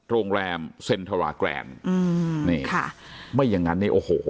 โรงแรมเซ็นทราแกรนอืมนี่ค่ะไม่อย่างงั้นนี่โอ้โห